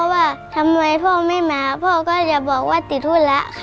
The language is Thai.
บางทีหนูก็จะพิมพ์ไปหาพ่อว่าทำไมพ่อไม่มาหาพ่อก็จะบอกว่าติดหุ้นละค่ะ